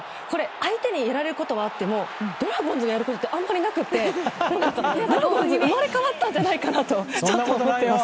相手にやられることはあってもドラゴンズがやることってあまりなくて、ドラゴンズ生まれ変わったんじゃないかなと思ってます。